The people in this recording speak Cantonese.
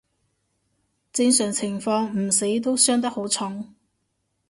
正常情況唔死都傷得好重